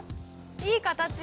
いい形。